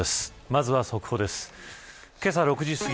まずは速報です。